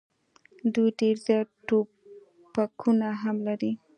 دوی ډېر زیات توپکونه هم لري.